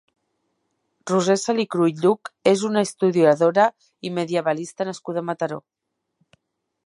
Roser Salicrú i Lluch és una historiadora i medievalista nascuda a Mataró.